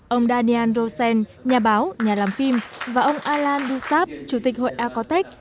ông daniel rosen nhà báo nhà làm phim và ông alain dussab chủ tịch hội alcotech